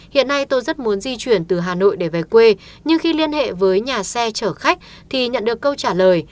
hiện nay tôi rất muốn di chuyển từ hà nội để về quê nhưng khi liên hệ với nhà xe chở khách thì nhận được câu trả lời